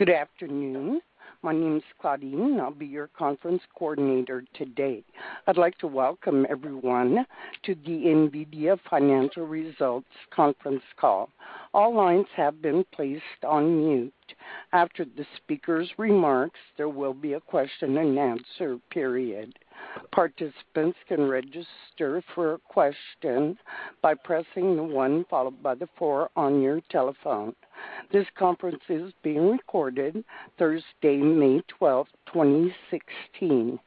Good afternoon. My name is Claudine. I'll be your conference coordinator today. I'd like to welcome everyone to the NVIDIA Financial Results Conference Call. All lines have been placed on mute. After the speaker's remarks, there will be a question-and-answer period. Participants can register for a question by pressing the one followed by the four on your telephone. This conference is being recorded Thursday, May 12th, 2016.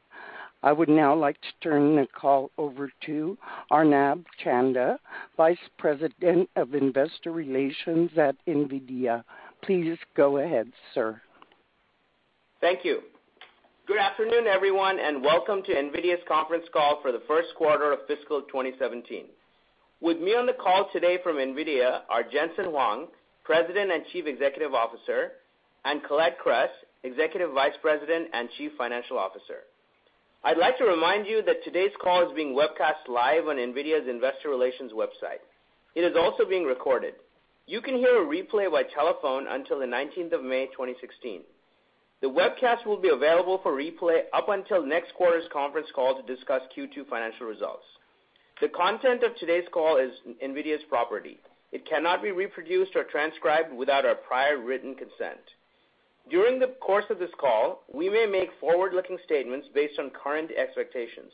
I would now like to turn the call over to Arnab Chanda, Vice President of Investor Relations at NVIDIA. Please go ahead, sir. Thank you. Good afternoon, everyone. Welcome to NVIDIA's conference call for the first quarter of fiscal 2017. With me on the call today from NVIDIA are Jensen Huang, President and Chief Executive Officer, and Colette Kress, Executive Vice President and Chief Financial Officer. I'd like to remind you that today's call is being webcast live on NVIDIA's investor relations website. It is also being recorded. You can hear a replay by telephone until the 19th of May, 2016. The webcast will be available for replay up until next quarter's conference call to discuss Q2 financial results. The content of today's call is NVIDIA's property. It cannot be reproduced or transcribed without our prior written consent. During the course of this call, we may make forward-looking statements based on current expectations.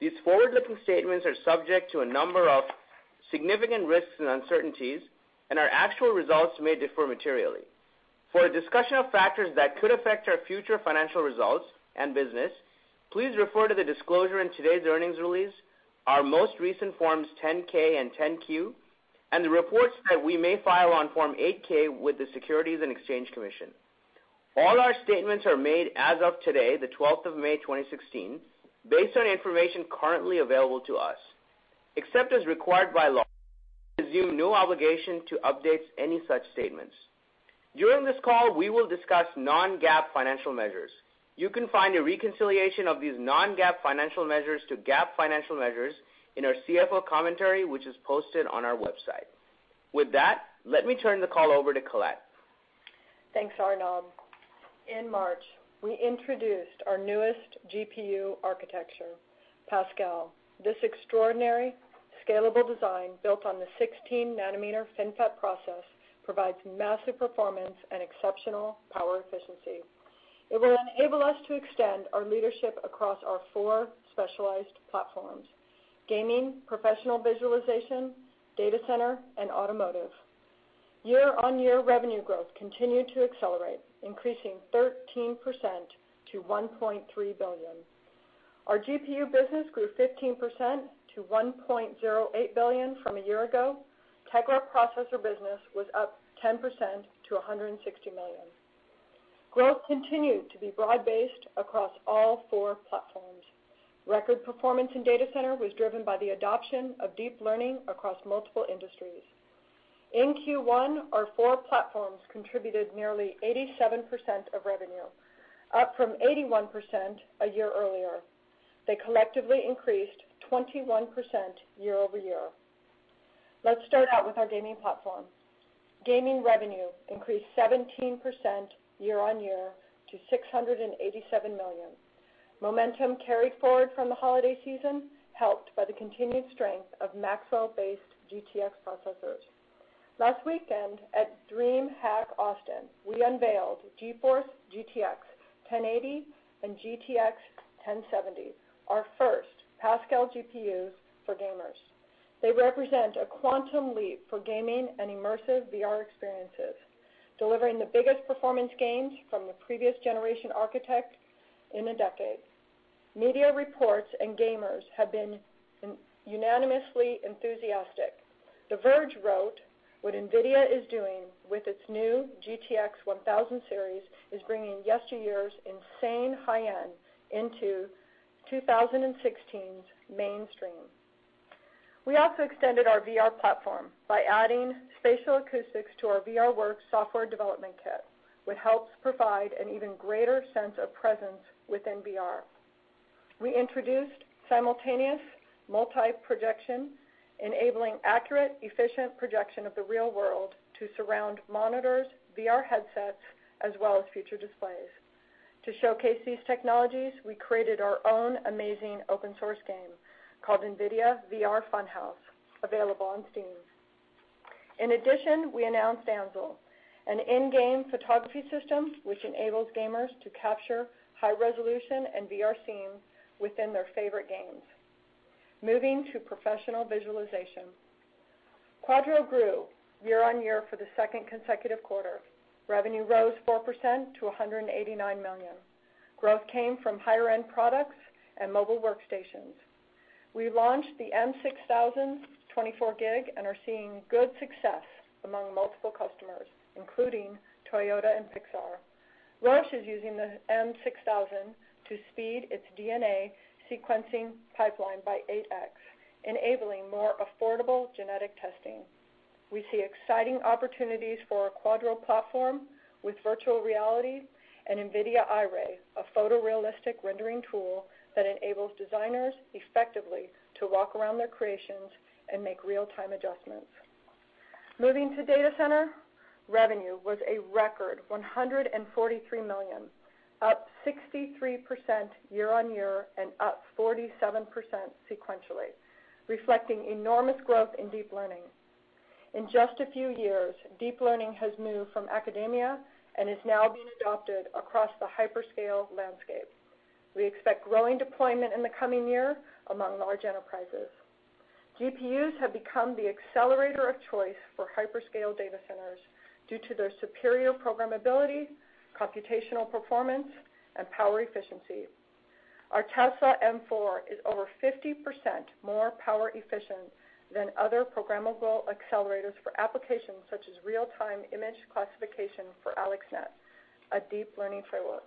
These forward-looking statements are subject to a number of significant risks and uncertainties. Our actual results may differ materially. For a discussion of factors that could affect our future financial results and business, please refer to the disclosure in today's earnings release, our most recent Forms 10-K and 10-Q, and the reports that we may file on Form 8-K with the Securities and Exchange Commission. All our statements are made as of today, the 12th of May, 2016, based on information currently available to us. Except as required by law, we assume no obligation to update any such statements. During this call, we will discuss non-GAAP financial measures. You can find a reconciliation of these non-GAAP financial measures to GAAP financial measures in our CFO commentary, which is posted on our website. With that, let me turn the call over to Colette. Thanks, Arnab. In March, we introduced our newest GPU architecture, Pascal. This extraordinary scalable design built on the 16-nanometer FinFET process provides massive performance and exceptional power efficiency. It will enable us to extend our leadership across our four specialized platforms, gaming, professional visualization, data center, and automotive. Year-on-year revenue growth continued to accelerate, increasing 13% to $1.3 billion. Our GPU business grew 15% to $1.08 billion from a year ago. Tegra processor business was up 10% to $160 million. Growth continued to be broad-based across all four platforms. Record performance in data center was driven by the adoption of deep learning across multiple industries. In Q1, our four platforms contributed nearly 87% of revenue, up from 81% a year earlier. They collectively increased 21% year-over-year. Let's start out with our gaming platform. Gaming revenue increased 17% year-on-year to $687 million. Momentum carried forward from the holiday season, helped by the continued strength of Maxwell-based GTX processors. Last weekend at DreamHack Austin, we unveiled GeForce GTX 1080 and GTX 1070, our first Pascal GPUs for gamers. They represent a quantum leap for gaming and immersive VR experiences, delivering the biggest performance gains from the previous generation architect in a decade. Media reports and gamers have been unanimously enthusiastic. The Verge wrote, "What NVIDIA is doing with its new GTX 1000 series is bringing yesteryear's insane high-end into 2016's mainstream." We also extended our VR platform by adding spatial acoustics to our VRWorks software development kit, which helps provide an even greater sense of presence within VR. We introduced simultaneous multi-projection, enabling accurate, efficient projection of the real world to surround monitors, VR headsets, as well as future displays. To showcase these technologies, we created our own amazing open source game called NVIDIA VR Funhouse, available on Steam. In addition, we announced Ansel, an in-game photography system which enables gamers to capture high resolution and VR scenes within their favorite games. Moving to professional visualization. Quadro grew year-on-year for the second consecutive quarter. Revenue rose 4% to $189 million. Growth came from higher-end products and mobile workstations. We launched the M6000 24GB and are seeing good success among multiple customers, including Toyota and Pixar. Roche is using the M6000 to speed its DNA sequencing pipeline by 8X, enabling more affordable genetic testing. We see exciting opportunities for our Quadro platform with virtual reality and NVIDIA Iray, a photorealistic rendering tool that enables designers effectively to walk around their creations and make real-time adjustments. Moving to data center, revenue was a record $143 million, up 63% year-on-year and up 47% sequentially, reflecting enormous growth in deep learning. In just a few years, deep learning has moved from academia and is now being adopted across the hyperscale landscape. We expect growing deployment in the coming year among large enterprises. GPUs have become the accelerator of choice for hyperscale data centers due to their superior programmability, computational performance, and power efficiency. Our Tesla M4 is over 50% more power efficient than other programmable accelerators for applications such as real-time image classification for AlexNet, a deep learning framework.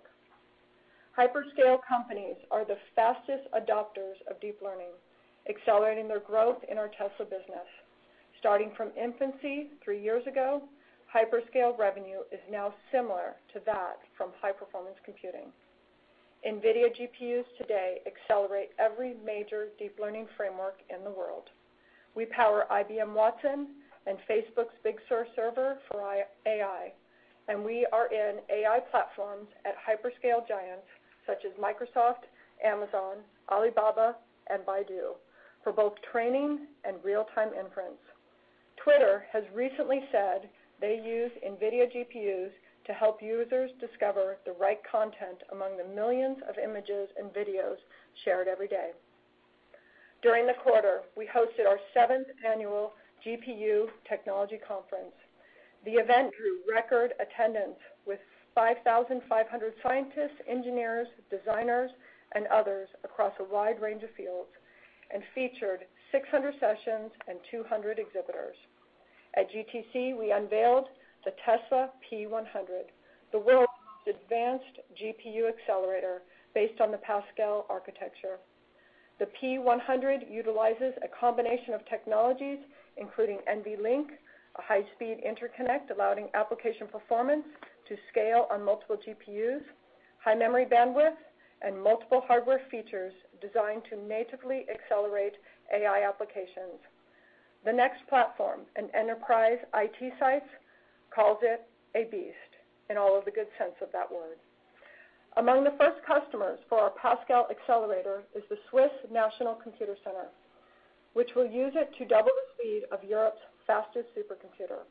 Hyperscale companies are the fastest adopters of deep learning, accelerating their growth in our Tesla business. Starting from infancy three years ago, hyperscale revenue is now similar to that from high-performance computing. NVIDIA GPUs today accelerate every major deep learning framework in the world. We power IBM Watson and Facebook's Big Sur server for AI, and we are in AI platforms at hyperscale giants such as Microsoft, Amazon, Alibaba, and Baidu for both training and real-time inference. Twitter has recently said they use NVIDIA GPUs to help users discover the right content among the millions of images and videos shared every day. During the quarter, we hosted our seventh annual GPU Technology Conference. The event drew record attendance, with 5,500 scientists, engineers, designers, and others across a wide range of fields, and featured 600 sessions and 200 exhibitors. At GTC, we unveiled the Tesla P100, the world's most advanced GPU accelerator based on the Pascal architecture. The P100 utilizes a combination of technologies including NVLink, a high-speed interconnect allowing application performance to scale on multiple GPUs, high memory bandwidth, and multiple hardware features designed to natively accelerate AI applications. The Next Platform, an enterprise IT site, called it a beast in all of the good sense of that word. Among the first customers for our Pascal accelerator is the Swiss National Supercomputing Centre, which will use it to double the speed of Europe's fastest supercomputer.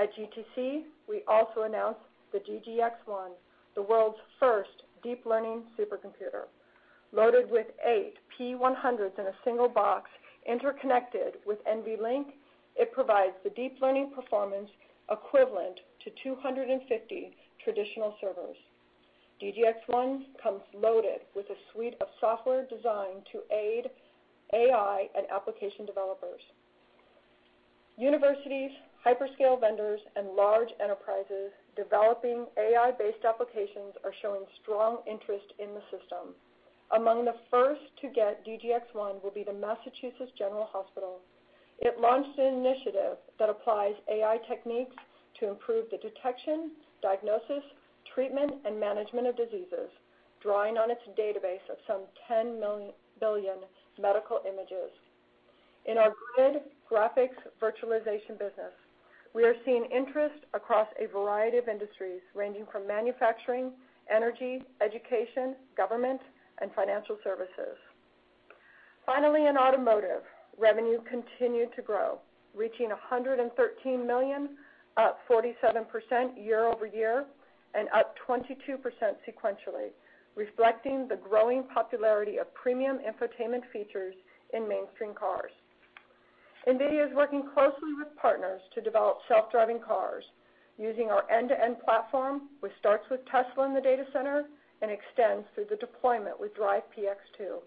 At GTC, we also announced the DGX-1, the world's first deep learning supercomputer. Loaded with 8 P100s in a single box interconnected with NVLink, it provides the deep learning performance equivalent to 250 traditional servers. DGX-1 comes loaded with a suite of software designed to aid AI and application developers. Universities, hyperscale vendors, and large enterprises developing AI-based applications are showing strong interest in the system. Among the first to get DGX-1 will be the Massachusetts General Hospital. It launched an initiative that applies AI techniques to improve the detection, diagnosis, treatment, and management of diseases, drawing on its database of some 10 billion medical images. In our GRID graphics virtualization business, we are seeing interest across a variety of industries, ranging from manufacturing, energy, education, government, and financial services. Finally, in automotive, revenue continued to grow, reaching $113 million, up 47% year-over-year and up 22% sequentially, reflecting the growing popularity of premium infotainment features in mainstream cars. NVIDIA is working closely with partners to develop self-driving cars using our end-to-end platform, which starts with Tesla in the data center and extends through the deployment with DRIVE PX 2.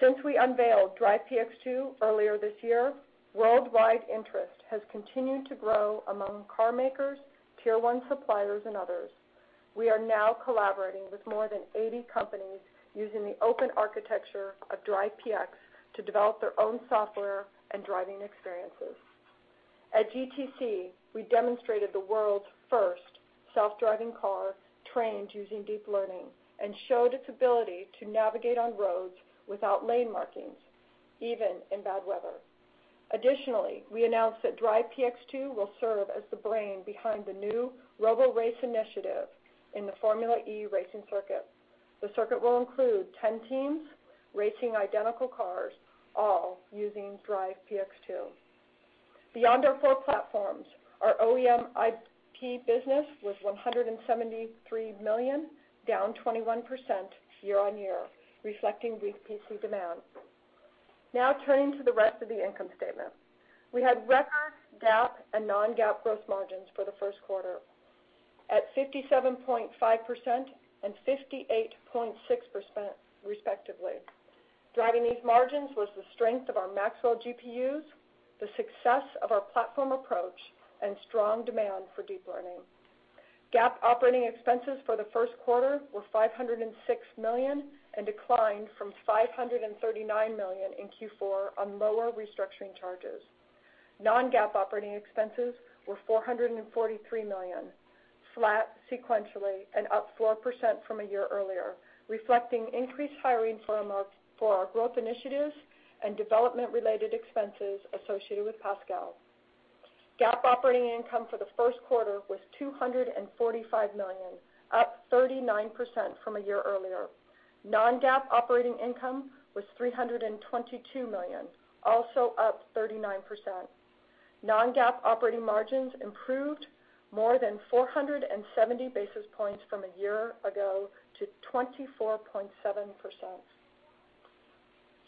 Since we unveiled DRIVE PX 2 earlier this year, worldwide interest has continued to grow among car makers, tier-one suppliers, and others. We are now collaborating with more than 80 companies using the open architecture of DRIVE PX to develop their own software and driving experiences. At GTC, we demonstrated the world's first self-driving car trained using deep learning and showed its ability to navigate on roads without lane markings, even in bad weather. Additionally, we announced that DRIVE PX 2 will serve as the brain behind the new Roborace initiative in the Formula E racing circuit. The circuit will include 10 teams racing identical cars, all using DRIVE PX 2. Beyond our four platforms, our OEM IP business was $173 million, down 21% year-on-year, reflecting weak PC demand. Turning to the rest of the income statement. We had record GAAP and non-GAAP gross margins for the first quarter, at 57.5% and 58.6%, respectively. Driving these margins was the strength of our Maxwell GPUs, the success of our platform approach, and strong demand for deep learning. GAAP operating expenses for the first quarter were $506 million and declined from $539 million in Q4 on lower restructuring charges. Non-GAAP operating expenses were $443 million, flat sequentially and up 4% from a year earlier, reflecting increased hiring for our growth initiatives and development-related expenses associated with Pascal. GAAP operating income for the first quarter was $245 million, up 39% from a year earlier. Non-GAAP operating income was $322 million, also up 39%. Non-GAAP operating margins improved more than 470 basis points from a year ago to 24.7%.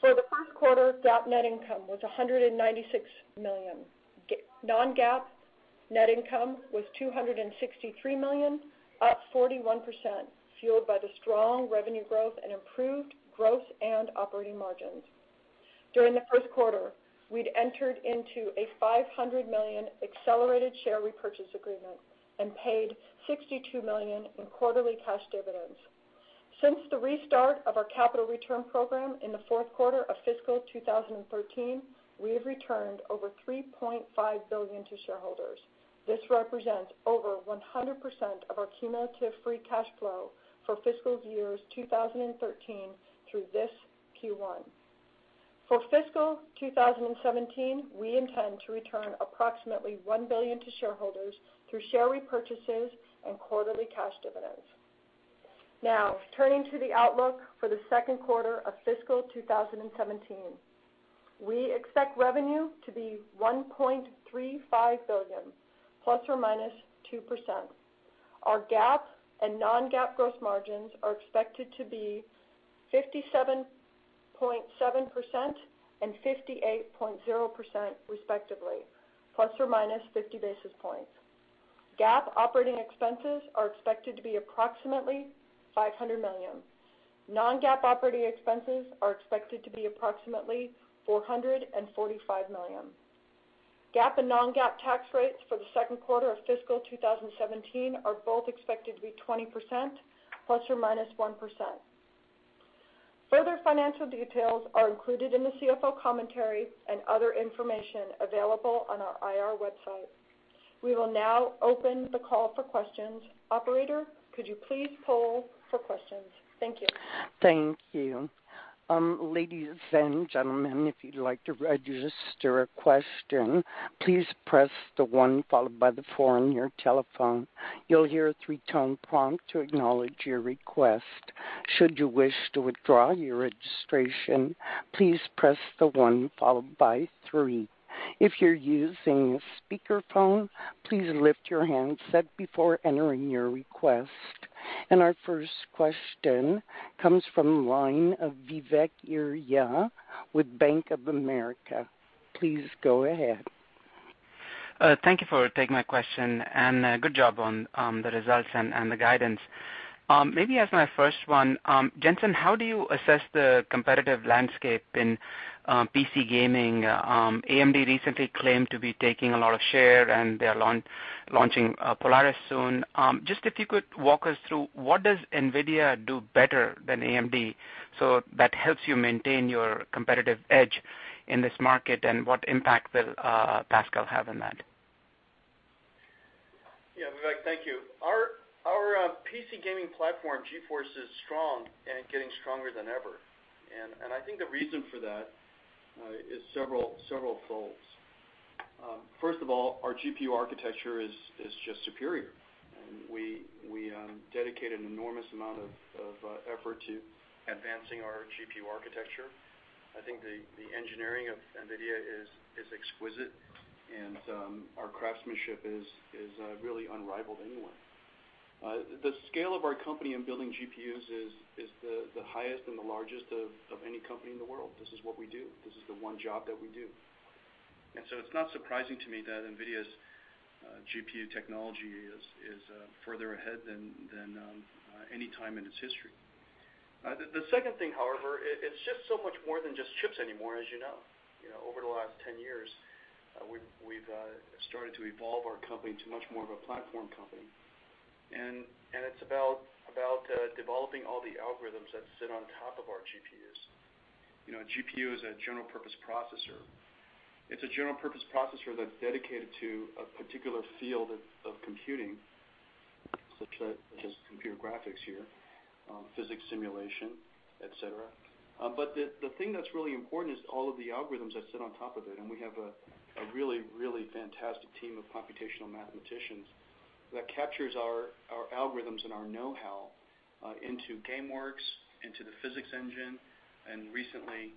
For the first quarter, GAAP net income was $196 million. Non-GAAP net income was $263 million, up 41%, fueled by the strong revenue growth and improved gross and operating margins. During the first quarter, we'd entered into a $500 million accelerated share repurchase agreement and paid $62 million in quarterly cash dividends. Since the restart of our capital return program in the fourth quarter of fiscal 2013, we have returned over $3.5 billion to shareholders. This represents over 100% of our cumulative free cash flow for fiscal years 2013 through this Q1. For fiscal 2017, we intend to return approximately $1 billion to shareholders through share repurchases and quarterly cash dividends. Turning to the outlook for the second quarter of fiscal 2017. We expect revenue to be $1.35 billion, plus or minus 2%. Our GAAP and non-GAAP gross margins are expected to be 57.7% and 58.0%, respectively, plus or minus 50 basis points. GAAP operating expenses are expected to be approximately $500 million. Non-GAAP operating expenses are expected to be approximately $445 million. GAAP and non-GAAP tax rates for the second quarter of fiscal 2017 are both expected to be 20%, plus or minus 1%. Further financial details are included in the CFO commentary and other information available on our IR website. We will now open the call for questions. Operator, could you please poll for questions? Thank you. Thank you. Ladies and gentlemen, if you'd like to register a question, please press the one followed by the four on your telephone. You'll hear a three-tone prompt to acknowledge your request. Should you wish to withdraw your registration, please press the one followed by three. If you're using a speakerphone, please lift your handset before entering your request. Our first question comes from the line of Vivek Arya with Bank of America. Please go ahead. Thank you for taking my question, good job on the results and the guidance. As my first one, Jensen, how do you assess the competitive landscape in PC gaming? AMD recently claimed to be taking a lot of share, they're launching Polaris soon. Just if you could walk us through what does NVIDIA do better than AMD, so that helps you maintain your competitive edge in this market, what impact will Pascal have on that? Vivek, thank you. Our PC gaming platform, GeForce, is strong and getting stronger than ever. I think the reason for that is several folds. First of all, our GPU architecture is just superior, and we dedicate an enormous amount of effort to advancing our GPU architecture. I think the engineering of NVIDIA is exquisite, and our craftsmanship is really unrivaled anywhere. The scale of our company in building GPUs is the highest and the largest of any company in the world. This is what we do. This is the one job that we do. It's not surprising to me that NVIDIA's GPU technology is further ahead than any time in its history. The second thing, however, it's just so much more than just chips anymore, as you know. Over the last 10 years, we've started to evolve our company into much more of a platform company. It's about developing all the algorithms that sit on top of our GPUs. A GPU is a general purpose processor. It's a general purpose processor that's dedicated to a particular field of computing, such as computer graphics here, physics simulation, et cetera. The thing that's really important is all of the algorithms that sit on top of it, and we have a really, really fantastic team of computational mathematicians that captures our algorithms and our know-how into GameWorks, into the physics engine, and recently,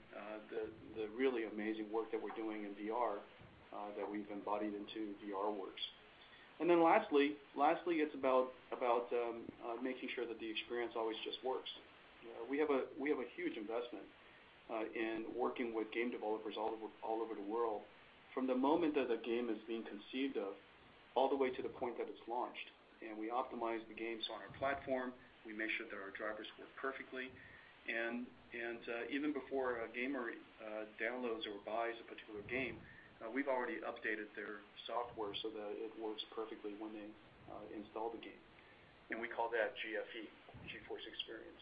the really amazing work that we're doing in VR that we've embodied into VRWorks. Lastly, it's about making sure that the experience always just works. We have a huge investment in working with game developers all over the world from the moment that the game is being conceived of all the way to the point that it's launched. We optimize the games on our platform. We make sure that our drivers work perfectly. Even before a gamer downloads or buys a particular game, we've already updated their software so that it works perfectly when they install the game. We call that GFE, GeForce Experience.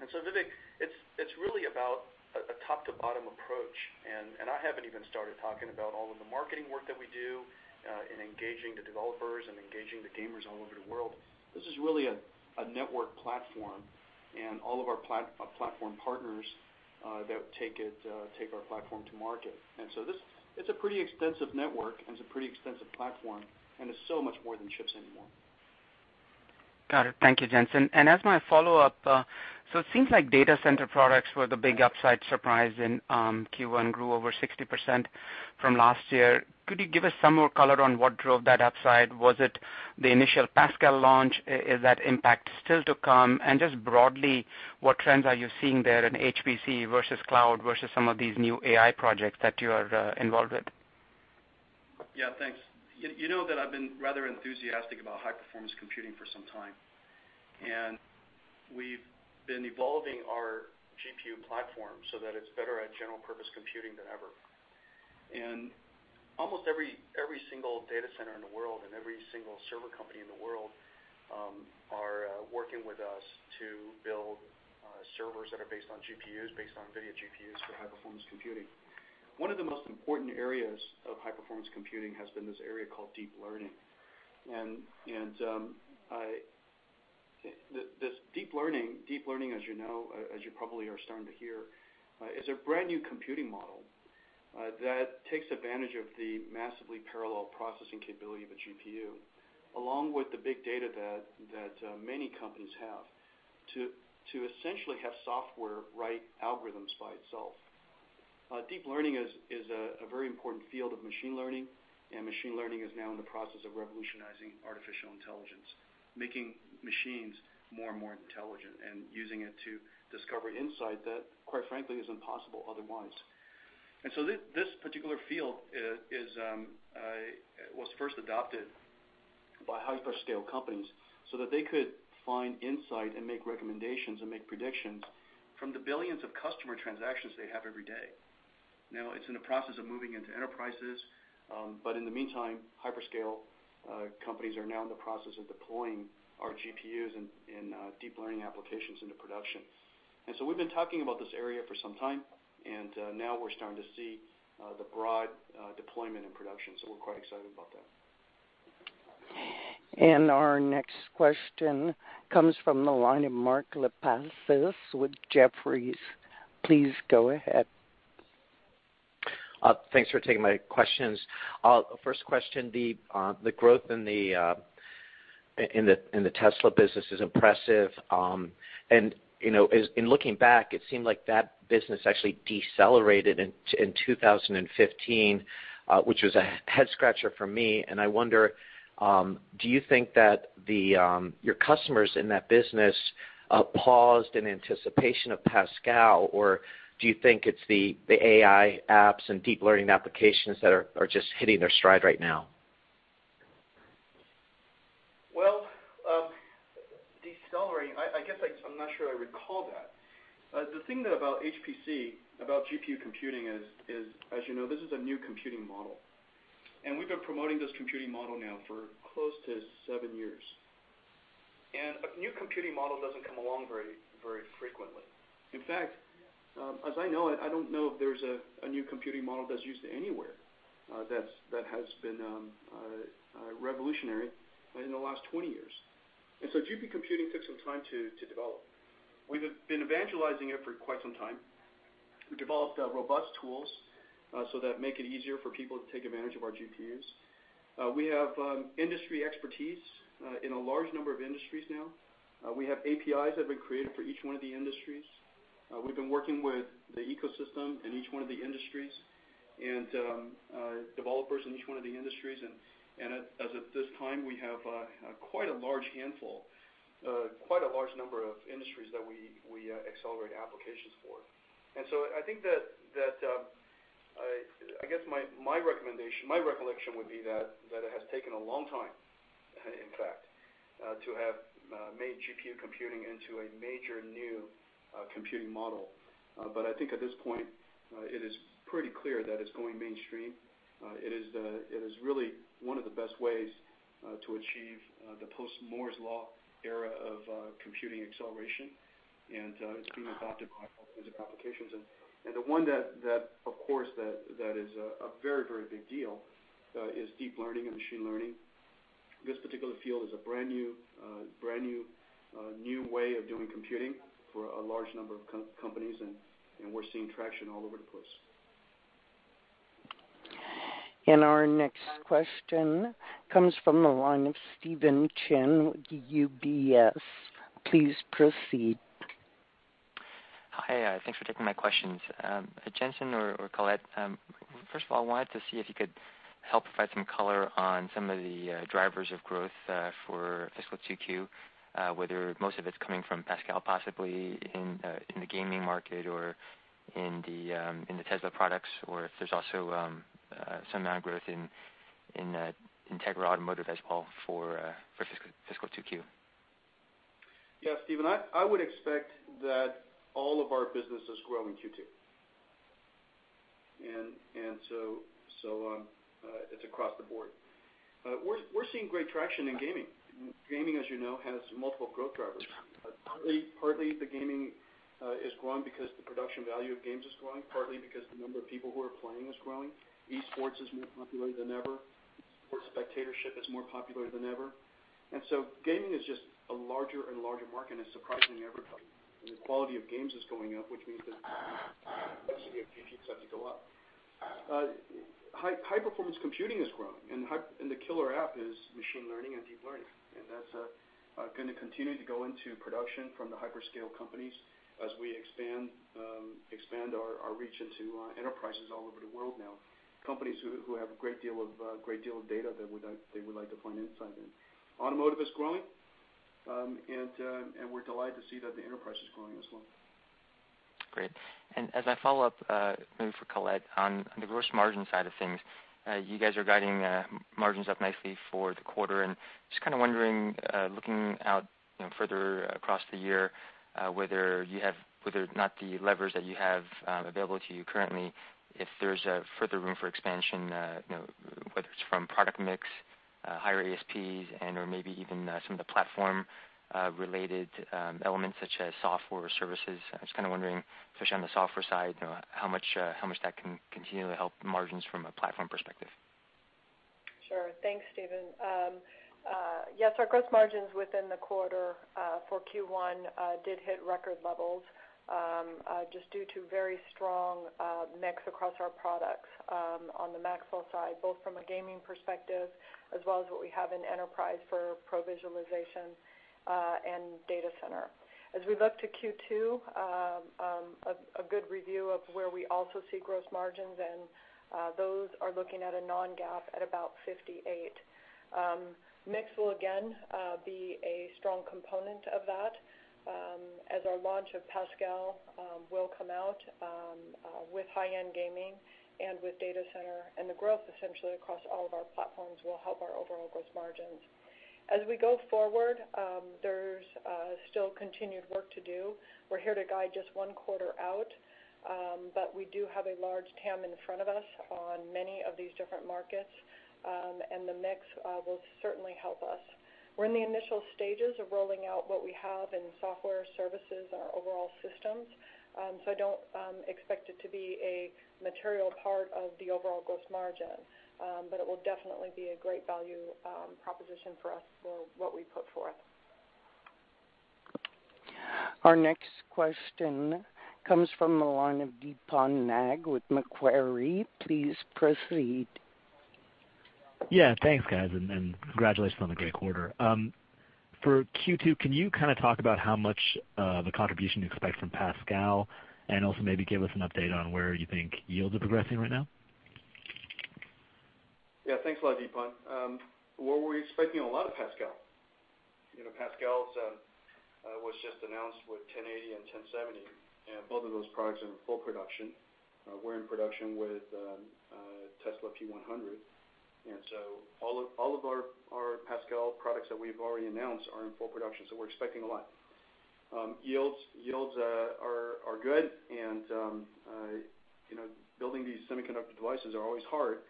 Vivek, it's really about a top to bottom approach, and I haven't even started talking about all of the marketing work that we do in engaging the developers and engaging the gamers all over the world. This is really a network platform, and all of our platform partners that take our platform to market. It's a pretty extensive network and it's a pretty extensive platform, and it's so much more than chips anymore. Got it. Thank you, Jensen. As my follow-up, it seems like data center products were the big upside surprise in Q1, grew over 60% from last year. Could you give us some more color on what drove that upside? Was it the initial Pascal launch? Is that impact still to come? Just broadly, what trends are you seeing there in HPC versus cloud versus some of these new AI projects that you are involved with? Yeah, thanks. You know that I've been rather enthusiastic about high-performance computing for some time. We've been evolving our GPU platform so that it's better at general purpose computing than ever. Almost every single data center in the world and every single server company in the world are working with us to build servers that are based on GPUs, based on NVIDIA GPUs for high-performance computing. One of the most important areas of high-performance computing has been this area called deep learning. This deep learning, as you know, as you probably are starting to hear, is a brand-new computing model that takes advantage of the massively parallel processing capability of a GPU, along with the big data that many companies have to essentially have software write algorithms by itself. Deep learning is a very important field of machine learning, and machine learning is now in the process of revolutionizing artificial intelligence, making machines more and more intelligent and using it to discover insight that, quite frankly, is impossible otherwise. This particular field was first adopted by hyperscale companies so that they could find insight and make recommendations and make predictions from the billions of customer transactions they have every day. Now it's in the process of moving into enterprises. In the meantime, hyperscale companies are now in the process of deploying our GPUs in deep learning applications into production. We've been talking about this area for some time, now we're starting to see the broad deployment in production. We're quite excited about that. Our next question comes from the line of Mark Lipacis with Jefferies. Please go ahead. Thanks for taking my questions. First question, the growth in the NVIDIA Tesla business is impressive. In looking back, it seemed like that business actually decelerated in 2015, which was a head-scratcher for me. I wonder, do you think that your customers in that business paused in anticipation of Pascal, or do you think it's the AI apps and deep learning applications that are just hitting their stride right now? Well, decelerating, I guess I'm not sure I recall that. The thing about HPC, about GPU computing is, as you know, this is a new computing model, we've been promoting this computing model now for close to seven years. A new computing model doesn't come along very frequently. In fact, as I know it, I don't know if there's a new computing model that's used anywhere that has been revolutionary in the last 20 years. So GPU computing took some time to develop. We've been evangelizing it for quite some time. We developed robust tools so that make it easier for people to take advantage of our GPUs. We have industry expertise in a large number of industries now. We have APIs that we've created for each one of the industries. We've been working with the ecosystem in each one of the industries and developers in each one of the industries, as of this time, we have quite a large number of industries that we accelerate applications for. So I guess my recollection would be that it has taken a long time, in fact, to have made GPU computing into a major new computing model. I think at this point, it is pretty clear that it's going mainstream. It is really one of the best ways to achieve the post-Moore's Law era of computing acceleration, it's being adopted by all kinds of applications. The one that, of course, that is a very big deal is deep learning and machine learning. This particular field is a brand-new way of doing computing for a large number of companies, we're seeing traction all over the place. Our next question comes from the line of Stephen Chin with UBS. Please proceed. Hi, thanks for taking my questions. Jensen or Colette, first of all, I wanted to see if you could help provide some color on some of the drivers of growth for fiscal 2Q, whether most of it's coming from Pascal, possibly in the gaming market or in the Tesla products, or if there's also some amount of growth in Tegra automotive as well for fiscal 2Q. Yeah, Stephen, I would expect that all of our businesses grow in Q2. It's across the board. We're seeing great traction in gaming. Gaming, as you know, has multiple growth drivers. Partly the gaming is growing because the production value of games is growing, partly because the number of people who are playing is growing. Esports is more popular than ever. Sports spectatorship is more popular than ever. Gaming is just a larger and larger market, and it's surprising everybody. The quality of games is going up, which means that seems to go up. High-performance computing is growing. The killer app is machine learning and deep learning. That's going to continue to go into production from the hyperscale companies as we expand our reach into enterprises all over the world now, companies who have a great deal of data that they would like to find insight in. Automotive is growing. We're delighted to see that the enterprise is growing as well. Great. As I follow up, maybe for Colette, on the gross margin side of things, you guys are guiding margins up nicely for the quarter, and just kind of wondering, looking out further across the year, whether or not the levers that you have available to you currently, if there's further room for expansion, whether it's from product mix, higher ASPs, and/or maybe even some of the platform-related elements such as software services. I was just kind of wondering, especially on the software side, how much that can continually help margins from a platform perspective. Sure. Thanks, Stephen. Yes, our gross margins within the quarter for Q1 did hit record levels, just due to very strong mix across our products on the Maxwell side, both from a gaming perspective as well as what we have in enterprise for pro-visualization and data center. As we look to Q2, a good review of where we also see gross margins, and those are looking at a non-GAAP at about 58%. Mix will again be a strong component of that as our launch of Pascal will come out with high-end gaming and with data center, and the growth essentially across all of our platforms will help our overall gross margins. As we go forward, there's still continued work to do. We're here to guide just one quarter out, but we do have a large TAM in front of us on many of these different markets, and the mix will certainly help us. We're in the initial stages of rolling out what we have in software services in our overall systems, so I don't expect it to be a material part of the overall gross margin. It will definitely be a great value proposition for us for what we put forth. Our next question comes from the line of Deepan Nag with Macquarie. Please proceed. Yeah, thanks, guys, and congratulations on the great quarter. For Q2, can you kind of talk about how much of a contribution you expect from Pascal, and also maybe give us an update on where you think yields are progressing right now? Yeah, thanks a lot, Deepan. Well, we're expecting a lot of Pascal. Pascal was just announced with 1080 and 1070, and both of those products are in full production. We're in production with Tesla P100, and so all of our Pascal products that we've already announced are in full production, so we're expecting a lot. Yields are good, and building these semiconductor devices are always hard,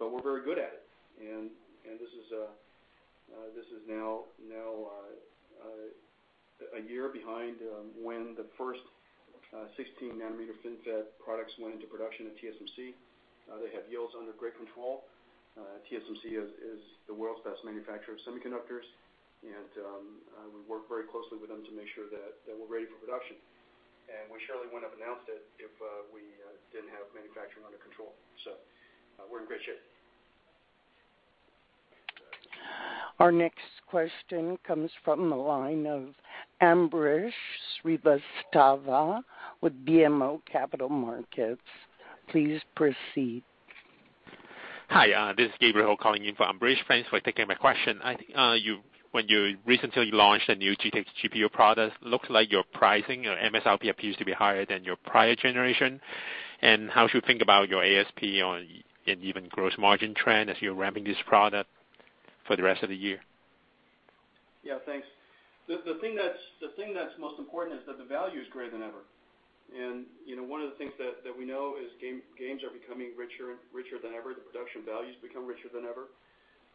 but we're very good at it. This is now a year behind when the first 16-nanometer FinFET products went into production at TSMC. They have yields under great control. TSMC is the world's best manufacturer of semiconductors, and we work very closely with them to make sure that we're ready for production. We surely wouldn't have announced it if we didn't have manufacturing under control. We're in great shape. Our next question comes from the line of Ambrish Srivastava with BMO Capital Markets. Please proceed. Hi, this is Gabriel Ho calling in for Ambrish. Thanks for taking my question. When you recently launched a new GTX GPU product, looks like your pricing, your MSRP appears to be higher than your prior generation. How should we think about your ASP and even gross margin trend as you're ramping this product for the rest of the year? Yeah, thanks. The thing that's most important is that the value is greater than ever. One of the things that we know is games are becoming richer than ever. The production value's become richer than ever,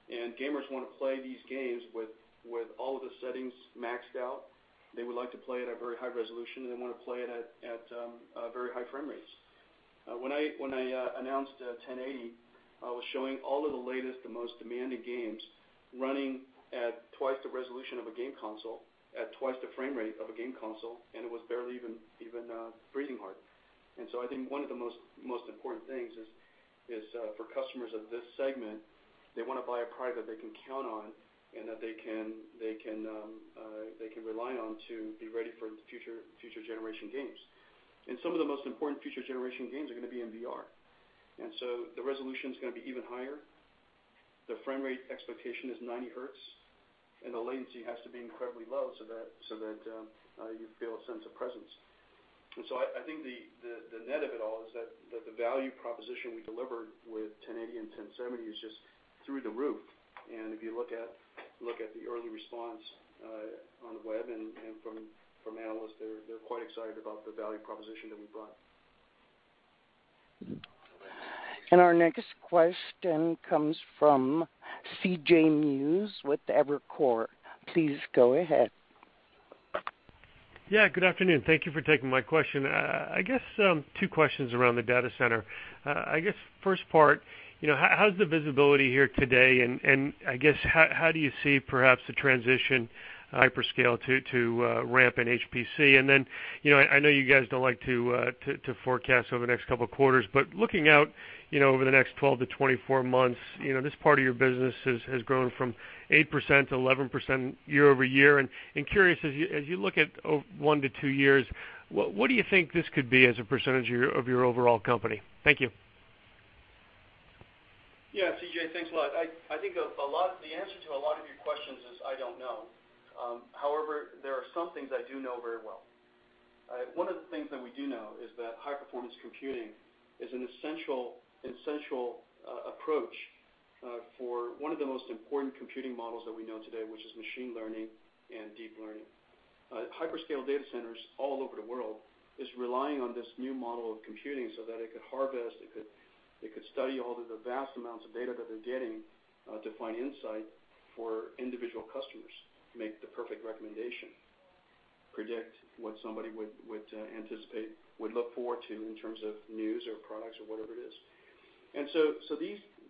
and gamers want to play these games with all of the settings maxed out. They would like to play at a very high resolution, and they want to play it at very high frame rates. When I announced 1080, I was showing all of the latest, the most demanding games running at twice the resolution of a game console, at twice the frame rate of a game console, and it was barely even breathing hard. I think one of the most important things is for customers of this segment, they want to buy a product that they can count on and that they can rely on to be ready for future generation games. Some of the most important future generation games are going to be in VR. The resolution's going to be even higher. The frame rate expectation is 90 hertz, and the latency has to be incredibly low so that you feel a sense of presence. I think the net of it all is that the value proposition we delivered with 1080 and 1070 is just through the roof. If you look at the early response on the web and from analysts, they're quite excited about the value proposition that we brought. Our next question comes from CJ Muse with Evercore. Please go ahead. Good afternoon. Thank you for taking my question. I guess two questions around the data center. I guess first part, how's the visibility here today, and I guess how do you see perhaps the transition hyperscale to ramp in HPC? I know you guys don't like to forecast over the next couple of quarters, but looking out over the next 12 to 24 months, this part of your business has grown from 8% to 11% year-over-year, and curious, as you look at one to two years, what do you think this could be as a percentage of your overall company? Thank you. CJ, thanks a lot. I think the answer to a lot of your questions is I don't know. However, there are some things I do know very well. One of the things that we do know is that high-performance computing is an essential approach for one of the most important computing models that we know today, which is machine learning and deep learning. Hyperscale data centers all over the world is relying on this new model of computing so that it could harvest, it could study all of the vast amounts of data that they're getting to find insight for individual customers to make the perfect recommendation, predict what somebody would anticipate, would look forward to in terms of news or products or whatever it is.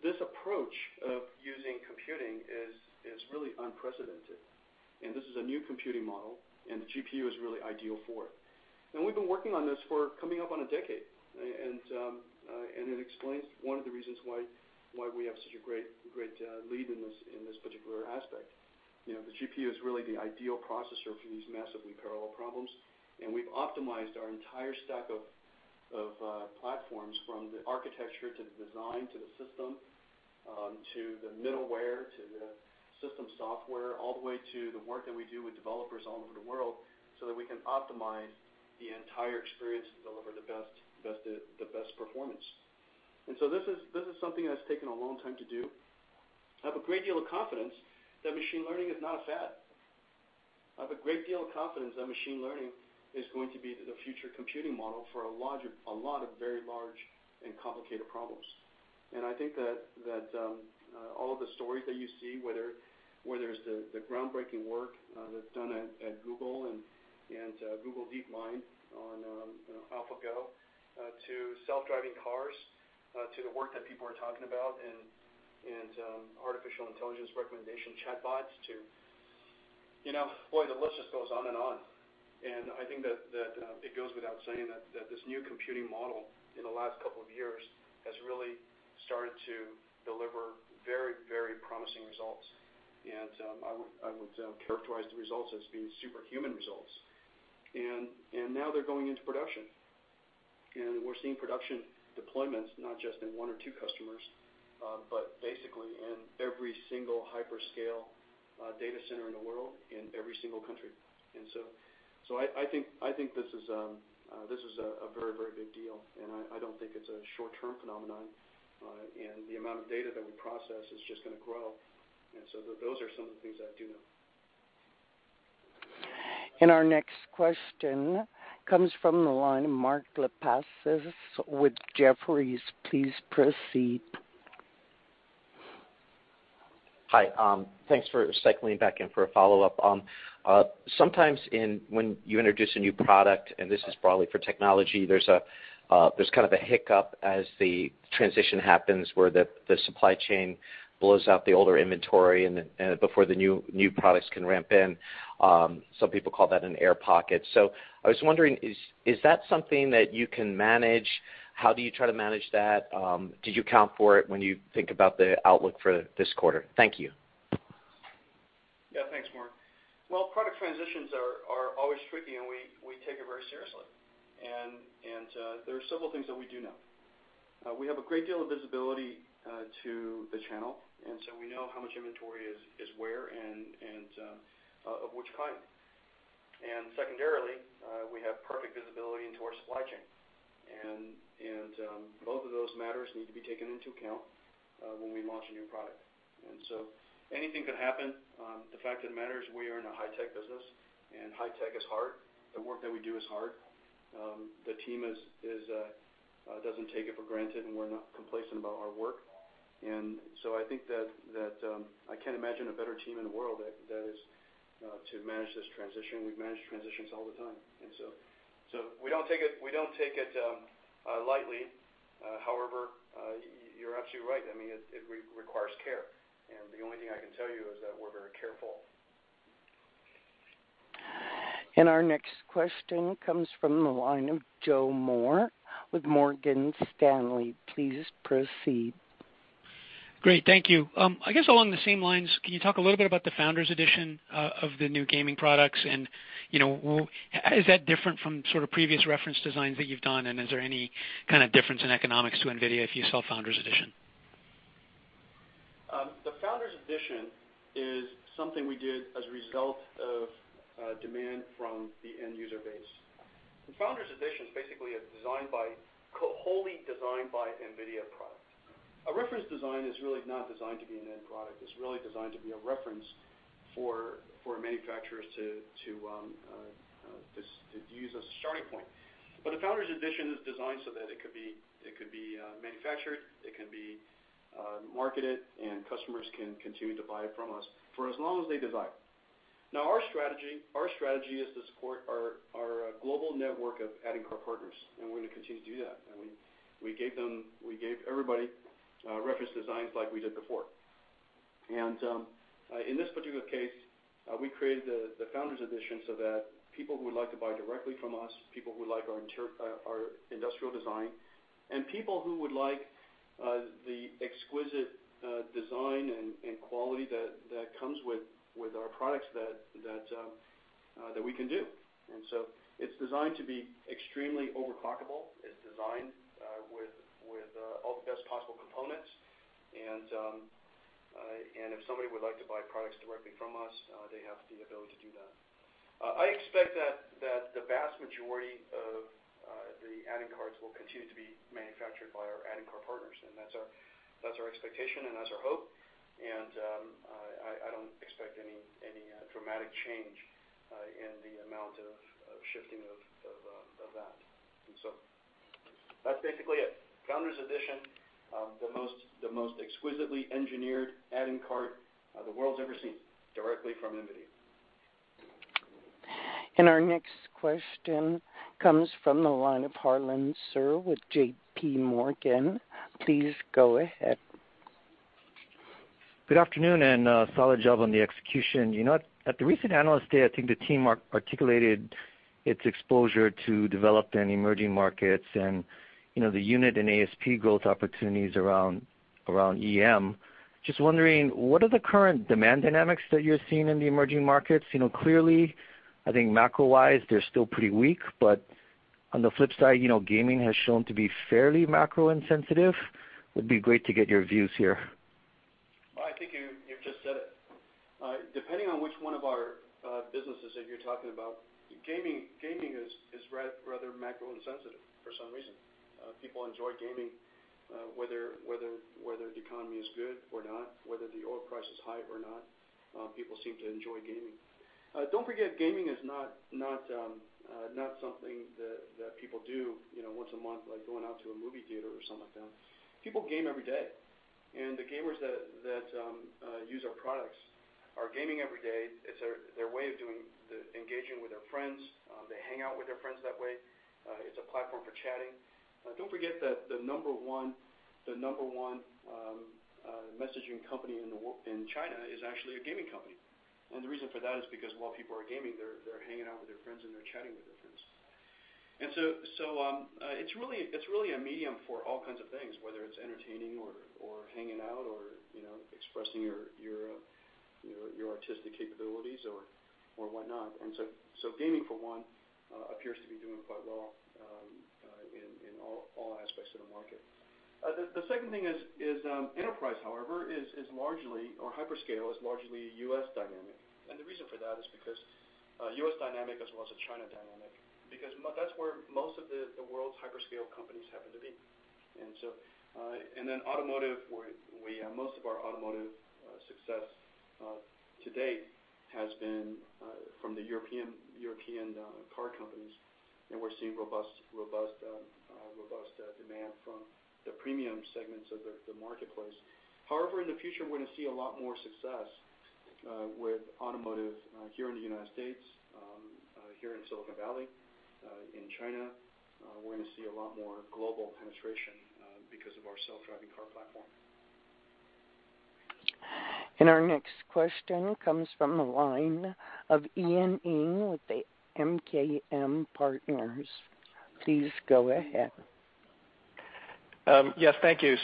This approach of using computing is really unprecedented, and this is a new computing model, and GPU is really ideal for it. We've been working on this for coming up on a decade, and it explains one of the reasons why we have such a great lead in this particular aspect. The GPU is really the ideal processor for these massively parallel problems, and we've optimized our entire stack of platforms, from the architecture to the design, to the system, to the middleware, to the system software, all the way to the work that we do with developers all over the world so that we can optimize the entire experience to deliver the best performance. This is something that's taken a long time to do. I have a great deal of confidence that machine learning is not a fad. I have a great deal of confidence that machine learning is going to be the future computing model for a lot of very large and complicated problems. I think that all of the stories that you see, whether it's the groundbreaking work that's done at Google and Google DeepMind on AlphaGo, to self-driving cars, to the work that people are talking about in artificial intelligence recommendation chatbots to Boy, the list just goes on and on. I think that it goes without saying that this new computing model in the last couple of years has really started to deliver very promising results, and I would characterize the results as being superhuman results. Now they're going into production, and we're seeing production deployments not just in one or two customers, but basically in every single hyperscale data center in the world, in every single country. I think this is a very big deal, and I don't think it's a short-term phenomenon. The amount of data that we process is just going to grow, and so those are some of the things I do know. Our next question comes from the line of Mark Lipacis with Jefferies. Please proceed. Hi. Thanks for circling back and for a follow-up. Sometimes when you introduce a new product, and this is broadly for technology, there's kind of a hiccup as the transition happens where the supply chain blows out the older inventory before the new products can ramp in. Some people call that an air pocket. I was wondering, is that something that you can manage? How do you try to manage that? Do you account for it when you think about the outlook for this quarter? Thank you. Yeah, thanks, Mark. Well, product transitions are always tricky, and we take it very seriously. There are several things that we do know. We have a great deal of visibility to the channel, we know how much inventory is where and of which kind. Secondarily, we have perfect visibility into our supply chain. Both of those matters need to be taken into account when we launch a new product. Anything could happen. The fact of the matter is we are in a high-tech business, and high tech is hard. The work that we do is hard. The team doesn't take it for granted, and we're not complacent about our work. I think that I can't imagine a better team in the world to manage this transition. We manage transitions all the time, we don't take it lightly. However, you're absolutely right. It requires care, and the only thing I can tell you is that we're very careful. Our next question comes from the line of Joseph Moore with Morgan Stanley. Please proceed. Great. Thank you. I guess along the same lines, can you talk a little bit about the Founders Edition of the new gaming products? How is that different from sort of previous reference designs that you've done, and is there any kind of difference in economics to NVIDIA if you sell Founders Edition? The Founders Edition is something we did as a result of demand from the end user base. The Founders Edition is basically a wholly designed by NVIDIA product. A reference design is really not designed to be an end product. It's really designed to be a reference for manufacturers to use as a starting point. A Founders Edition is designed so that it could be manufactured, it can be marketed, and customers can continue to buy it from us for as long as they desire. Our strategy is to support our global network of add-in card partners, and we're going to continue to do that. We gave everybody reference designs like we did before. In this particular case, we created the Founders Edition so that people who would like to buy directly from us, people who like our industrial design, and people who would like the exquisite design and quality that comes with our products that we can do. It's designed to be extremely overclockable. It's designed with all the best possible components and if somebody would like to buy products directly from us, they have the ability to do that. I expect that the vast majority of the add-in cards will continue to be manufactured by our add-in card partners. That's our expectation and that's our hope. I don't expect any dramatic change in the amount of shifting of that. That's basically it. Founders Edition, the most exquisitely engineered add-in card the world's ever seen, directly from NVIDIA. Our next question comes from the line of Harlan Sur with JPMorgan. Please go ahead. Good afternoon. Solid job on the execution. At the recent Analyst Day, I think the team articulated its exposure to developed and emerging markets and the unit and ASP growth opportunities around EM. I am just wondering, what are the current demand dynamics that you're seeing in the emerging markets? Clearly, I think macro-wise, they're still pretty weak, but on the flip side, gaming has shown to be fairly macro insensitive. It would be great to get your views here. Well, I think you've just said it. Depending on which one of our businesses that you're talking about, gaming is rather macro insensitive for some reason. People enjoy gaming, whether the economy is good or not, whether the oil price is high or not. People seem to enjoy gaming. Don't forget, gaming is not something that people do once a month, like going out to a movie theater or something like that. People game every day. The gamers that use our products are gaming every day. It's their way of engaging with their friends. They hang out with their friends that way. It's a platform for chatting. Don't forget that the number one messaging company in China is actually a gaming company. The reason for that is because while people are gaming, they're hanging out with their friends, and they're chatting with their friends. It's really a medium for all kinds of things, whether it's entertaining or hanging out or expressing your artistic capabilities or whatnot. Gaming, for one, appears to be doing quite well in all aspects of the market. The second thing is enterprise, however, is largely, or hyperscale, is largely U.S. dynamic. The reason for that is because U.S. dynamic as well as the China dynamic, because that's where most of the world's hyperscale companies happen to be. Automotive, most of our automotive success to date has been from the European car companies, and we're seeing robust demand from the premium segments of the marketplace. However, in the future, we're going to see a lot more success with automotive here in the United States, here in Silicon Valley, in China. We're going to see a lot more global penetration because of our self-driving car platform. Our next question comes from the line of Ian Ing with the MKM Partners. Please go ahead. Yes, thank you.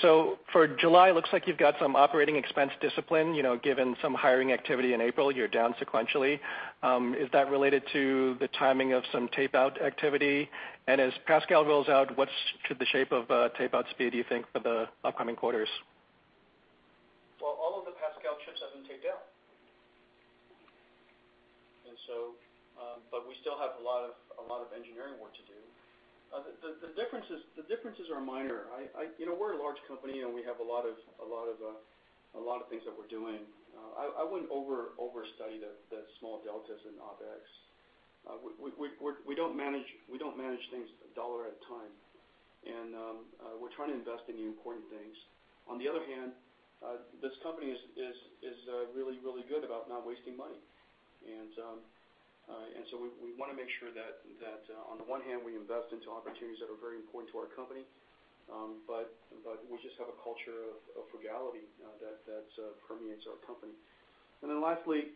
For July, looks like you've got some operating expense discipline, given some hiring activity in April, you're down sequentially. Is that related to the timing of some tape-out activity? As Pascal rolls out, what could the shape of tape-out speed do you think for the upcoming quarters? Well, all of the Pascal chips have been taped out. We still have a lot of engineering work to do. The differences are minor. We're a large company, and we have a lot of things that we're doing. I wouldn't over study the small deltas in OPEX. We don't manage things a dollar at a time, and we're trying to invest in the important things. On the other hand, this company is really, really good about not wasting money. We want to make sure that on the one hand, we invest into opportunities that are very important to our company, but we just have a culture of frugality that permeates our company. Lastly,